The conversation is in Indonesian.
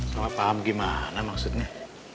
salah paham gimana maksudnya